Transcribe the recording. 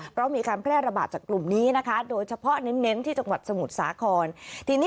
เพราะมีการแพร่ระบาดจากกลุ่มนี้โดยเฉพาะเน้นที่สมุทรสาขอน